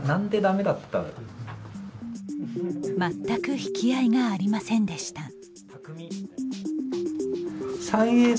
全く引き合いがありませんでした。